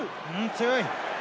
強い。